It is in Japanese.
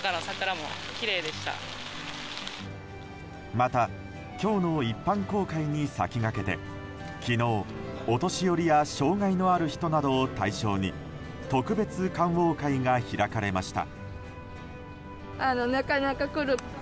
また今日の一般公開に先駆けて昨日、お年寄りや障害のある人などを対象に特別観桜会が開かれました。